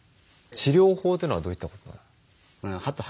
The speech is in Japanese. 治療法というのはどういったことなんですか？